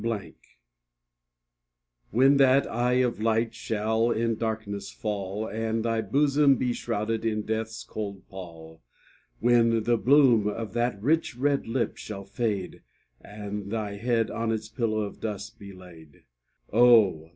TO When that eye of light shall in darkness fall, And thy bosom be shrouded in death's cold pall, When the bloom of that rich red lip shall fade, And thy head on its pillow of dust be laid; Oh!